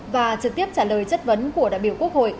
và trực tiếp trả lời chất vấn của đại biểu quốc hội